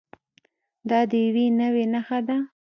دا د یوې نوعې نښه ده.